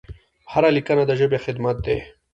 هره لیکنه د ژبې خدمت دی.